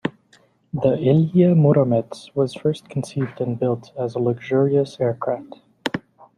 The Ilya Muromets was first conceived and built as a luxurious aircraft.